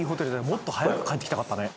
もっと早く帰ってきたかったね